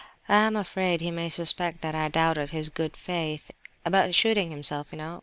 I am afraid he may suspect that I doubted his good faith,—about shooting himself, you know.